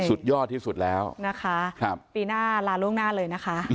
สุดยอดที่สุดแล้วนะคะปีหน้าลาล่วงหน้าเลยนะคะ